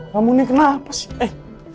kamu ini kenapa sih